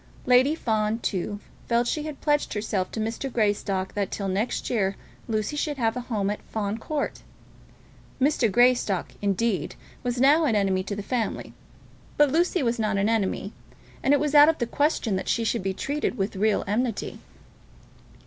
Lady Fawn, too, felt that she had pledged herself to Mr. Greystock that till next year Lucy should have a home at Fawn Court. Mr. Greystock, indeed, was now an enemy to the family; but Lucy was not an enemy, and it was out of the question that she should be treated with real enmity.